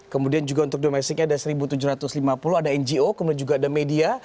kemudian juga untuk domestiknya ada seribu tujuh ratus lima puluh ada ngo kemudian juga ada media